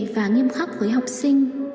và nghiêm khắc với học sinh